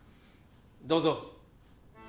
どうぞ！